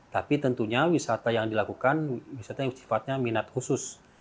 tapi tentunya wisata yang dilakukan wisata yang sifatnya minat khusus